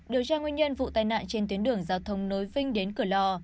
điều tra nguyên nhân vụ tai nạn trên tuyến đường giao thông nối vinh đến cửa lò